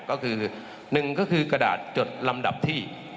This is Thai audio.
ก็คือหนึ่งก็คือกระดาษจดลำดับที่